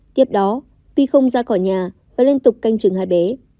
tiếp đó vi không ra khỏi nhà và liên tục canh trừng hai bé